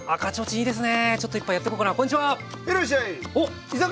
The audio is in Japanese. いいですね。